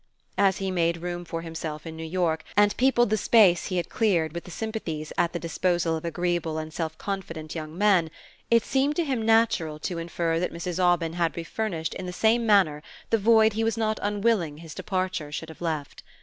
As he made room for himself in New York and peopled the space he had cleared with the sympathies at the disposal of agreeable and self confident young men, it seemed to him natural to infer that Mrs. Aubyn had refurnished in the same manner the void he was not unwilling his departure should have left.